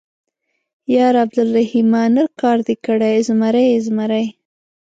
_ياره عبدالرحيمه ، نر کار دې کړی، زمری يې، زمری.